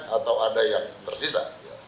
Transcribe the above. atau ada yang tersisa